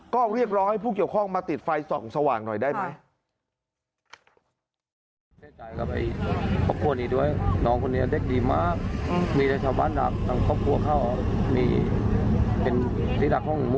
ก็เรียกร้องให้ผู้เกี่ยวข้องมาติดไฟส่องสว่างหน่อยได้ไหม